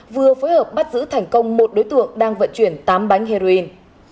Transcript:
vừa phối hợp bắt giữ thành công một đối tượng đang vận chuyển tám bánh heroin